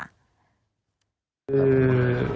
คือคือ